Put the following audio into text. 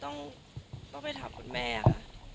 อันนี้ต้องไปถามคุณแม่ค่ะ